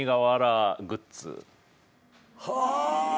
はあ。